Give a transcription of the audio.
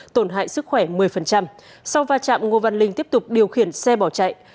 tổn hại sức khỏe một mươi sau va chạm ngô văn linh tiếp tục điều khiển xe bỏ chạy